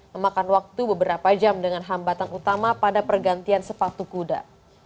memakan waktu beberapa jam dengan hambatan utama pada pergantian sepatu kuda